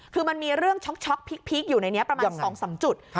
คือมันมีเรื่องช็อกพีคอยู่ในนี้ประมาณ๒๓จุด